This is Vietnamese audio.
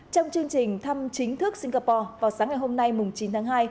trong chương trình thăm chính thức singapore vào sáng ngày hôm nay chín tháng hai